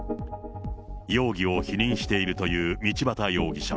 容疑を否認しているという道端容疑者。